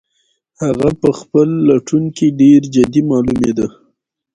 هغه په خپل لټون کې ډېر جدي معلومېده.